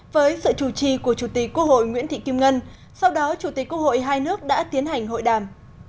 với sự chủ trì của chủ tịch quốc hội nguyễn thị kim ngân sau đó chủ tịch quốc hội hai nước đã tiến hành hội đàm